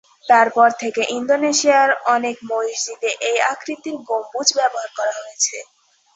তারপর থেকে ইন্দোনেশিয়ার অনেক মসজিদে এই আকৃতির গম্বুজ ব্যবহার করা হয়েছে।